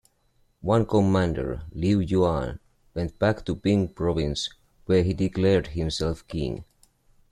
One commander, Liu Yuan, went back to Bing Province where he declared himself King.